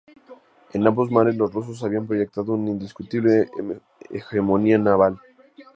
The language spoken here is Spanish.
En ambos mares los rusos habían proyectado una indiscutible hegemonía naval.